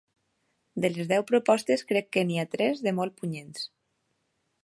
De les deu propostes, crec que n’hi ha tres de molt punyents.